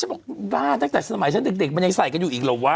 บอกบ้าตั้งแต่สมัยฉันเด็กมันยังใส่กันอยู่อีกเหรอวะ